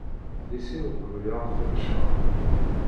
Di sin uqbel ad ɣ-teččar.